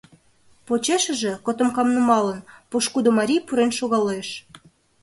Почешыже, котомкам нумалын, пошкудо марий пурен шогалеш.